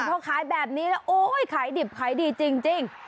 พอขายแบบนี้แล้วโอ๊ยขายดิบขายดีจริง